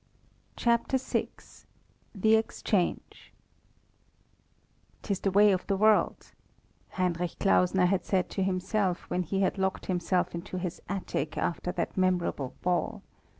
CHAPTER VI THE EXCHANGE "'Tis the way of the world," Heinrich Klausner had said to himself when he had locked himself into his attic after that memorable ball.